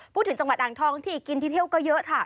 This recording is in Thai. พูดถึงจังหวัดอ่างทองที่กินที่เที่ยวก็เยอะค่ะ